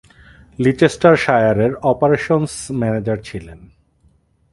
লিচেস্টারশায়ারের operations manager ছিলেন।